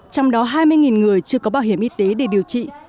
trong đó hai mươi người chưa có bảo hiểm y tế để điều trị